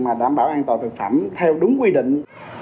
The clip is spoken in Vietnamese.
mà đảm bảo an toàn thực phẩm theo đúng quy định